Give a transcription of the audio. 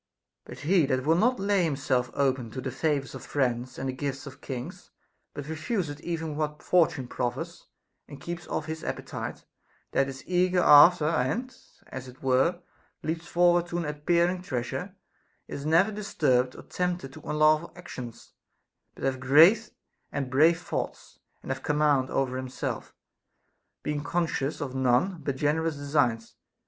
But he that will not lay himself open to the favors of friends and the gifts of kings, but refuseth even what Fortune prof fers, and keeps otf his appetite, that is eager after and (as it were) leaps forward to an appearing treasure, is never disturbed or tempted to unlawful actions, but hath great and brave thoughts, and hath command over himself, being conscious of none but generous designs.